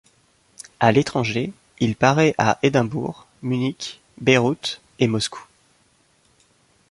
À l'étranger, il paraît à Édimbourg, Munich, Bayreuth, et Moscou.